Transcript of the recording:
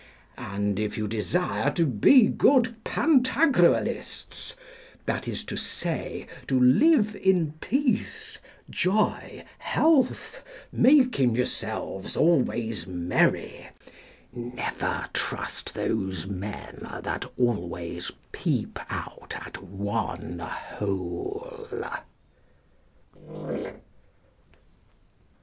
And if you desire to be good Pantagruelists, that is to say, to live in peace, joy, health, making yourselves always merry, never trust those men that always peep out at one hole.